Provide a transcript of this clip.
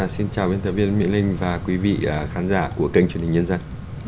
xin chào biên tập viên mỹ linh và quý vị khán giả của kênh truyền hình nhân dân